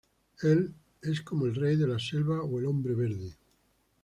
Él es como el rey de la selva, o el hombre verde.